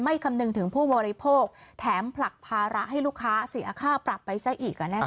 คำนึงถึงผู้บริโภคแถมผลักภาระให้ลูกค้าเสียค่าปรับไปซะอีก